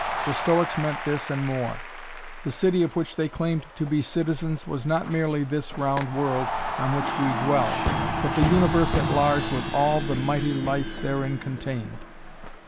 The Stoics meant this and more. The city of which they claimed to be citizens was not merely this round world on which we dwell, but the universe at large with all the mighty life therein contained.